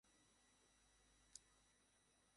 ধন্যবাদ, কর্পোরাল!